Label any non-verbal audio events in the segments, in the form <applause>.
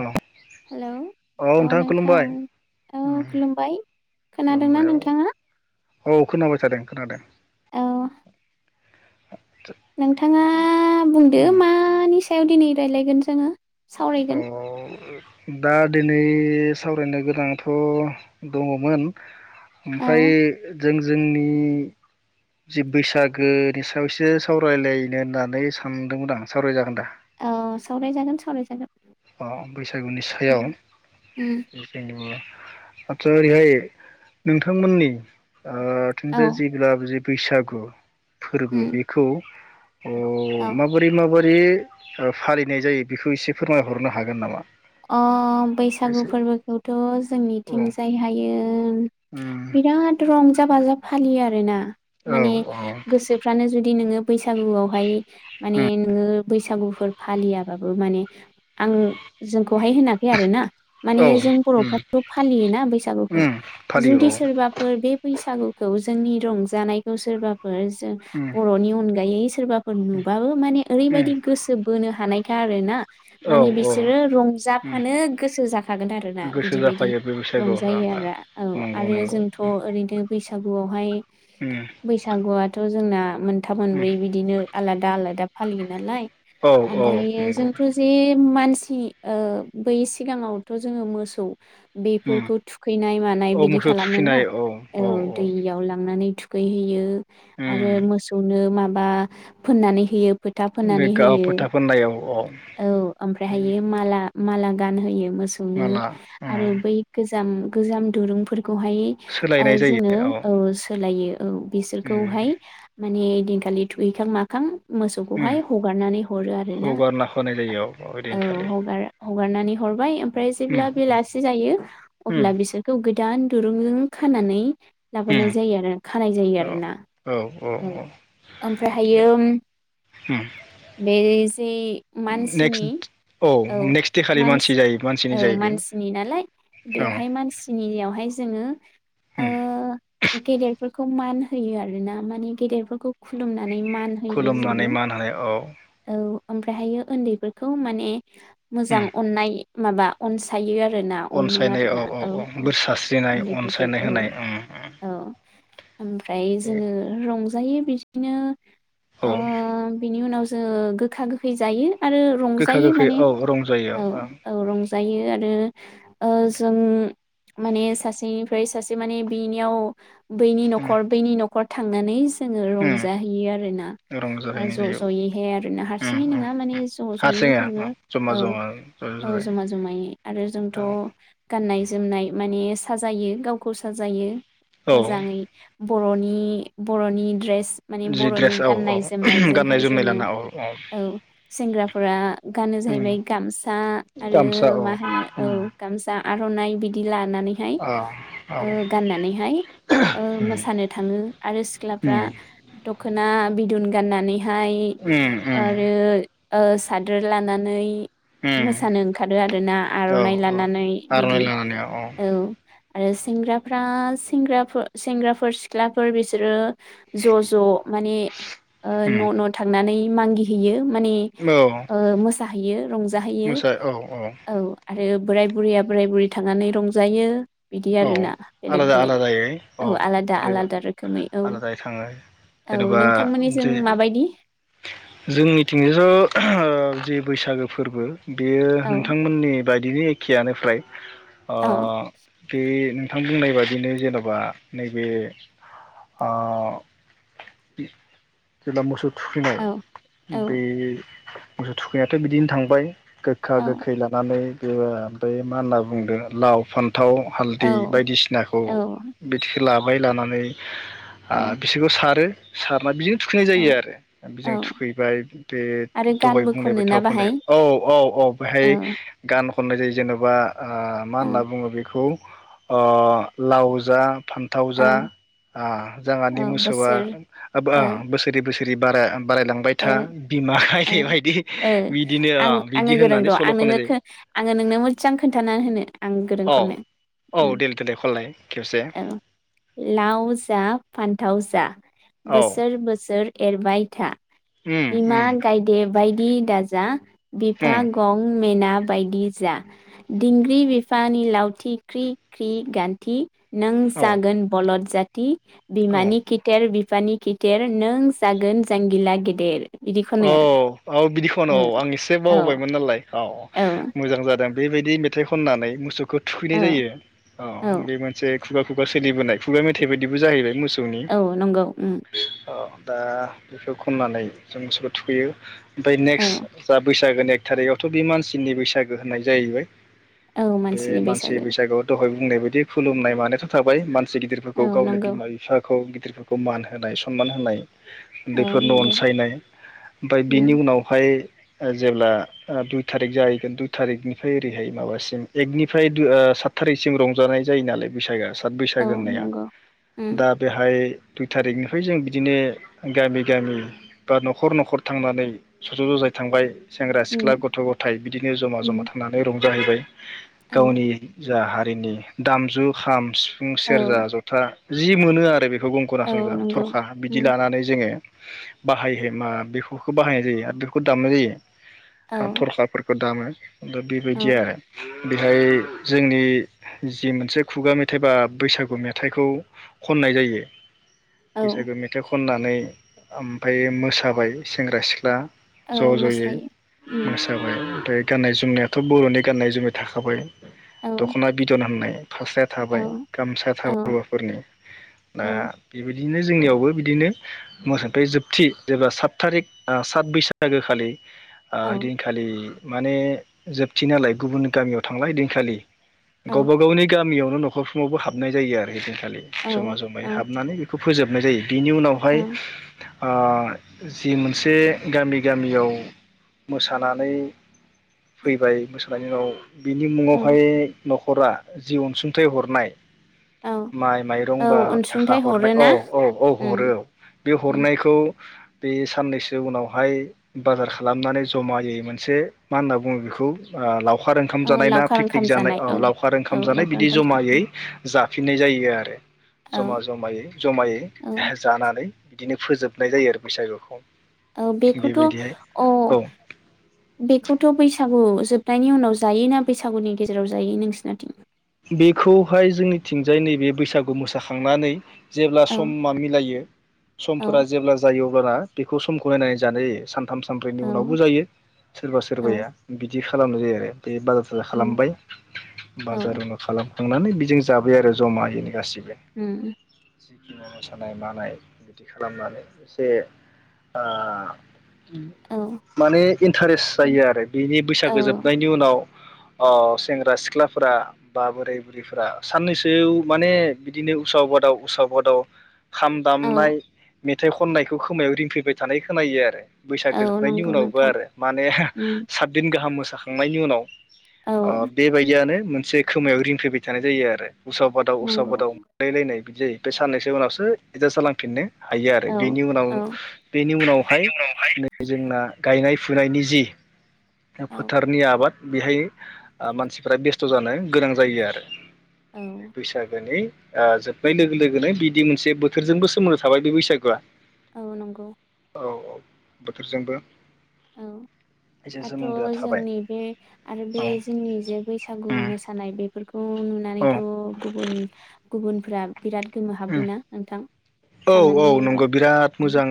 औ हेलौ औ अ नोंथां खुलुमबाय औ उम खुलुमबाय खुलुमबाय खोनादोंना औ नोंथाङा? औ खोनाबाय थादों खोनादों। औ <inaudible> नोंथांङा बुंदो उम मानि सा याव दिनै रायलायगोन जोङो। औ सावरायगोन दा दिनै सावरायनो गोनांथ दङमोन। औ ओमफ्राय। जों जोंनि जि बैसागोनि सायाव एसे सावरायलायनो होननानै सानदोंमोन आं सावरायजागोन दा? औ सावरायजागोन सावरायजागोन। अ बैसागुनि सायाव उम उम जेनेबा आतचा ओरैहाय नोंथांमोननि औ <unintelligible> जि। बैसागु। फोरबो उम बेखौ अ औ माबोरै माबोरै बे फालिनाय जायो बेखौ एसे फोरमायहरनो हागोन नामा? अ बैसागु एसे फोरबोखौथ' औ जोंनिथिंजाय हायो उम बिराद रंजा बाजा फालियो आर रोना औ माने औ गोसोफ्रानो जुदि नोङो बैसागुआवहाय माने उम नोङो बैसागुफोर फालियाबाबो माने आं जोंखौहाय होनाखै आरोना। माने औ जों उम बर'फ्राथ' फालियोना बैसागुखौ उम फालियो जुदि औ सोरबाफोर बे बैसागुखौ जोंनि रंजानायखौ सोरबा जों उम बर'नि अनगायै सोरबाफोर नुबाबो माने उम ओरैबायदि गोसो बोनो हानायखा आरोना औ माने औ बिसोर बिसोरो उम रंजाफानो गोसो जाखागोन आरोना गोसो बिदि बायदि जाफायो बे रंजायो बैसागुआवहा ओं आरो औ नंगौ आरो नंगौ जोंथ' ओरैनो बैसाग बैसागुआवहाय उम बैसागुआथ' बो जोंना मोनथाम उम मोनब्रै बिदिनो आलादा आलादा फालियो नालाय। औ औ ओमफाय नंगौ जोंथ' जे मानसि ओ बै सिगाङावथ' जोङो मोसौ उम बेफोरखौ थुखैनाय मानाय बिदि खालामो ना औ दैयाव लांनानै थुख थुखैहैयो। उम आरो मोसौनो माब बा फोननानै होयो। फोथा बे फोननानै गाब होयो फोथा फोननाय औ अ। थायो माला माला गानहोयो। मोसौनो माला आरो उम बै गोजाम गोजाम दुरुंफोर खौहाय सोलायनाय आय जोङो जायो औ सोलायो औ उम बिसोरखौहाय माने दिनखालि थुहैखां माखां उम मोसौखौहाय हगारनानै हरो आर ना? हगारना होनाय जायो औ ओइदिनखालि हगार हगारनानै हरबाय ओमफ्राय उम जेब्ला बेलासि जायो उम अब्ला बिसोरखौ गोदान, दुरुंजों खानानै, लाबोनाय उम जायो आरो खानाय जायो औ आरोना औ ओमफ्राय हायो उम बे जे मानसिनि नेक्स्ट औ नेक्स्ट दे खालि मान मानसि जायो मानसिनि औ जायो बे मानसिनि नालाय ओं बेवहाय मानसिनियावहाय, जोङो उम ओ गेदेरफोर मान होयो आरोना माने गेदेरफोरखौ खुुलुमना <unintelligible> नानै मान होयो खुलुमनानै जोङो मान होनाय औ औ ओमफ्रायहायो उन्दैफोर खौ माने मोजां उम अननाय माबा अनसायो आरो अनो अनसायनाय आरो ना औ औ बोर सारस्रिनाय उन्दैफोरखौ अनसायनाय औ होनाय उम उम औ ओमफ्राय दे जोंङो जायो बिदिनो अ औ बिनि उनाव गो गोखा गोखै जायो आरो गोखा रंजायो गोखै माने औ रंजायो औ औ रंजायो आरो ओजों माने सासे ओमफ्राय सासे माने बिनियाव, बैनि उम न'खर बैनि न'ख न'खर थांनानै जोङो उम रंजाहैयो आरोना रंजाहैनाय ज' जायो ज'यैहाय आरो ना उम हारसिङै उम नङा माने ज' ज' हैयो हारसिङै जमा जोङो जमा ज' औ ज'यै जमा जमायै आरो जोंथ' औ गाननाय जोमनाय, माने साजायो गावखौ साजायो, औ मोजाङै बर'नि द्रेस, जि ड्रेस औ औ गाननाय जोमनाय लाना औ औ सिंग्रा फुरा गानो उम जाहैबाय गामसा आरो गामसा औ मा होनो औ उम गामसा, आर'नाइ बिदि ला गाननानैहाय औ औ ओ गाननानैहाय उम मोसानो थांङो आरो सिख्लाफ्रा उम दखना बिदुन गाननानै बेहाय उम उम आरो ओ सादोर लानानै उम मोसानो ओंखारो आरोना औ आर'नाइ औ लानानै आर'नाइ बिदि लानानै औ । आरो सेंग्राफ्रा सेंग्राफोर सिख्लाफोर बिसोरो ज' ज' माने उम न' न' थांनानै मागि होयो माने औ ओ मोसाहैयो रंजाहैयो मोसा औ औ आ आरो बोराय बुरिया बोराय बुरि थांनानै रंजायो। बिदि औ आरोना बेलेग आलादा बेलेग आलादायै औ आलादा आलादा रोखोमै औ आलादायै थाङो औ जेनेबा नोंथांमोननिजों माबायदि जोंनिथिं ज ' जि बैसागो फोरबो बेयो औ नोंथांमोननि बायदिनि एखेयानो फ्राय। अ औ बे नोंथां बुंनाय बादिनो जेनेबा नैबे अ जेब्ला मोसौ औ औ थुखैनायाव बे मोसौ थुखैनायाथ' बिदिनो थांबाय। गोखा औ गोखै लानानै। बै मा होनना बुंदों लाव फान थाव औ हालदै बायदिसिनाखौ औ बिदिखौ लाबो गाय लानानै आ औ बिसोरखौ सारो । सारना बि थुखैनाय औ जायो आरो बेजों औ थुखैबाय बे आरो दहाय गानबो बुंनाय थाव खनोना फुनलाय बाहाय औ औ औ बेहाय गान खननाय जायो जेन'बा मा औ होन्ना बुङो बे बेखौ अ लाव जा फान्थाव औ जा आ जोंहानि औ मोसौआ बोसोर बोसोरै बोसोरै बारा बारायलांबाय ए था बिमा गायदे बायदि बिदिनो आं बिदि आङो गोरोंथ' होननानै आं सल' खननाय जायो नोङो आङो नोंनो मोजां खोनन्थानानै होनो आं गोरों औ खनो। औ उम देल देलाय खनलाय खेबसे औ लाव जा फान्थाव जा दा औ बोसोर बोसोर एरबाय था। उम उम बिमा गायदे बायदि दा जा। उम बिफा गं मेना बायदि जा दिंग्रि बिफानि लावथि क्रि क्रि गान्थि नों औ जागोन बलद जात <unintelligible> औ बिमानि किटेर बि फानि खिटेर। नों जागोन जांगिला गे दे। औ औ बिदि खनो औ आं एसे औ बावबायमोन नालाय औ मोजां जादों। बेबायदि मेथाइ खननानै मुसु खौ थुखैनाय औ जायो औ बे मोनसे खुगा खुगा सलिबोनाय खुगा मेथाइ बादिबो जाहैबाय मोस औ नंगौ ओं। दा बेखौ खननानै जों मोसौखौ थुखैयो। ओमफाय औ नेक्स्ट जा बैस जागोन एक थारिखआवथ' बे मानसिनि बैसागो होननाय जाहैबाय। औ बे मानसिनि मानसि बैसागो बैसागुआव दहाय बुंंनाय बायदि खुलुमनाय मानायथ' थाबाय। मासे गिदिरफोरखौ औ गावनो नंगौ बिमा बिफाखौ। गिदिरफोरखौ मान होनाय सनमान होनाय। औ उन्दैफोरनो नंगौ अनसायनाय। ओमफाय बिनि उम उनावहाय ओ जेब्ला ओ दुइ थारिक जाहैगोन दुइ थारिखनिफ्राय ओरैहाय माबासिम एकनिफ्राय दुइ ओ सात थारिखसिम रंजानाय जायो नालाय बैसागोआ। औ बैसागो होननाया नंगौ उम दा बेहाय दुइ थारिखनिफ्राय जों बिदिनो गामि गामि बा न'खर न'खर थांनानै ज'ज' जाय थांबाय। सेंग्रा सिख्ला उम गथ' गथाय बिदिनो जमा जमा उम थांनानै रं जाहैबाय। औ गावनि जाहा रिनि दामजु खामस सिफुं, सेरजा, औ जथा जि मोनो आरो बे रोबों ख'रा औ संजा नंगौ थरखा बिदि उम लानानै जोङो बाहाय हैमा बेखौखो बाहायनाय जायो आर बेखौ दामनाय जायो। औ थरखाफोरखौ दामो। दा बेबायदि औ आरो। बेहाय जोंनि जि मोनसे खुगा मेथाइ बा बैसागु मेथाइखौ खननाय जायो। औ बेैसागु मेथाइ ख खननानै आम फायो मोसाबाय सेंग्रा सिख्ला। औ ज' जयै मोसायो उम मोसाबाय ओमफाय गाननाय जोमनायाथ' बर'नि गाननाय जोमनाय थाखाबाय। औ दख'ना बिदन होननाय। फास्राया औ थाबाय, गामसाया औ थाबाय हौवाफोरनि दा औ बेबाय दिनो जोंनियावबो बिदिनो मोसाबाय जोब थि एबा सात थारिक ओ सात बैसागो खालि ओ औ हैदिन खालि माने जोबथि नालाय गुबुन गामियाव थांला हैदिनखालि। औ गावबा गावनि गामियाव न' न'खरफ्रावबो हाबनाय जायो आरो हैदिनखालि जमा जमायै औ हाबनानै बेखौ फोजोबनाय जायो। बिनि उनावहाय औ ओ जि मोनसे गामि गामियाव मोसानानै फैबाय मोसानायनि उनाव बिनि मुङावहाय न'खरा जि अनसुंथाइ हरनाय औ माइ औ माइरं बा थाखा अनसुंथाइ हरनाय औ हरोना औ औ उम हरो औ बे उम हरनायखौ बे साननैसो उनावहाय बाजार खालामनानै जमायै मोनसे मा होनना बुङो बेखौ ओ लाव खार ओंखाम ओ जानाय ना लावखार पिकनिक ओंखाम जानाय औ लावखार औ ओंखाम जानाय लावखार बिदि ओंखाम जमायै जानाय जाफिननाय जायो आरो जमा औ जमायै जमायै औ जानानै दिनो फोजोब नाय जायो आरो बैसागुखौ। औ बेखौथ' बेबायदिहाय अ' औ बेखौथ' बैसागु जोबनायनि उनाव जायोना बैसागुनि गेजेराव जायो नोंसोरनिथिं? बेखौहाय जोंनिथिंजाय नैबे बैसागु मोसाखांनानै जेब्ला औ समा मिलायो समफोरा औ जेब्ला जायो अ <unintelligible> बेखौ समखौ नायनानै जानाय जायो सानथाम सानब्रैनि औ उनावबो जायो सोरबा औ सोरबाया बि दि खालामनाय जायो आरो बे बाजार थाजार उम खालामबाय औ बास खालामखांनानै बिजों जाबाय आरो जमा हैनि गासिबो उम जिखिनि मोसानाय मानाय बिदि खालामनानै एसे ओ औ माने इन्टारेस्ट जायो आरो बिनि बैसागो औ जोबनायनि उनाव अ सेंग्रा सिख्लाफोरा बा बोराय बुरैफ्रा साननैसो माने बिदिनो उस बादाव उस बादाव खाम औ दामनाय मेथाइ खननायखौ खोमायाव रिंफैबाय थानाय खोनायो आरो बैसाग औ जोबनायनि नंगौ उनावबो नोंथां आरो माने उम सातदिन गाहाम मोस जाखांनायनि उनाव औ अ बेबायदियानो मोनसे खोमायाव रिंफैबाय थानाय जायो आरो उसाव बादाव उसाव नंगौ बादाव मोनलायलायनाय बिदि जायो ओमफाय साननैसो उनावसो एडजास जांलांफिननो हायो आरो औ बेनि उनाव औ बेनि उनावहाय नै जोंना गायनाय फुनायनि जि औ फोथारनि आबाद बेहाय आ मानसिफ्रा बेस्थ' जानो गोनां जायो आरो औ बे बैसागोनि ओ जोबनाय लोगो लोगोनो बिदि मोनसे बोथोरजोंबो सोमोन्दो थाबाय बे बैसागुआ औ नंगौ औ औ बोथोरजोंबो औ एसे दाथ' सोमोन्दोआ थाबाय जोंनि बे आरो बे औ जोंनि जे बैसागु उम मोसानाय बेफोरख खौ औ नुनानैथ' गुबुन गुबुनफ्रा बिराद गोमोहाबोना नोंथां औ औ साननानै नायोबा नंगौ बिराद औ मोजां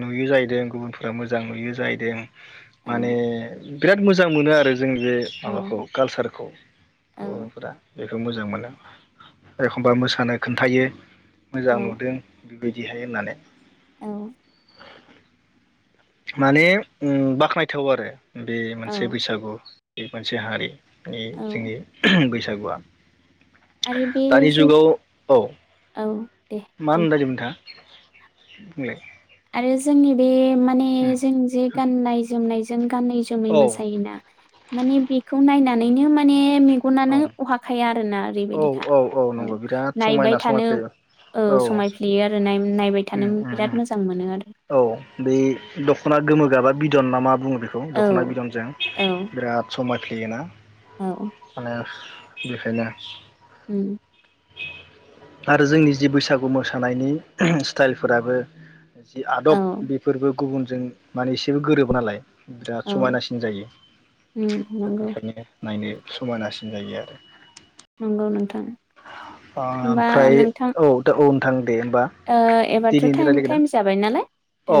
नुयो जाहैदों गुबुनफोरा मोजां नुयो जाहैदों माने औ बिराद मोजां मोनो आरो जोंनि बे माबाखौ कालसारखौ औ बर'फोरा बेखौ मोजां मोनो एखमबा मोसानो खोन्थायो औ मोजां नुदों बेबादिहाय होननानै औ माने उ बाख्नायथाव आरो बे मोनसे औ बैसागु बे मोनसे हारि मानि औ जोंनि बैसाग <unintelligible> आरो बे जेब औ दे मा बुं होननायदोमोन नोंथाङा? बुंलाय आरो जोंनि बे माने जों जे गाननाय जोमनाय गानै जोमै नोंथाङा मोसायोना माने बेखौ नायना <unintelligible> माने <unintelligible> बुंलाय मेगनानो उम औ अहाखाया आरोना ओरैबायदिखा औ औ नंगौ बिराद नायबाय समायना थानो समायफ्लेयो औ समायफ्लेयो आरो ना नायबाय थानो उम उम बिराद उम मोज औ बे दख'ना गोमो गाबा बिदन नामा बुंङो बेखौ दख'ना औ बिदनजों औ बिराद समाय फ्लेयोना? औ माने बेखायनो हुम आरो जोंनि जि बैसागु मोसानायनि स्टाइलफोराबो जि औ आदब बेफोरबो गुबुनजों माने एसेबो गोरोबो नालाय बिराद औ समायनासिन जायो उम दा नंगौ बेखायनो नायनो समायनासिन जायो आरो नंगौ नों ओमफ्राय नोंथां औ दा <unintelligible> थां ओ एबारथ' टाइम टाइम जाबाय नालाय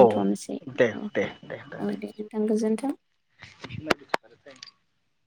औ दे अ दे दे औ दे नोंथां गोजोनथ थों <unintelligible>